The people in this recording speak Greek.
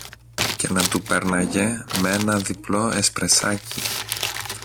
και να του πέρναγε με ένα διπλό εσπρεσάκι